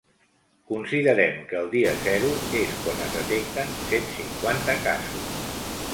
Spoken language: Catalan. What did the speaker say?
Considerem que el dia zero és quan es detecten cent cinquanta casos.